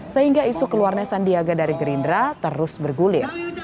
sehingga isu keluarnya sandiaga dari gerindra terus bergulir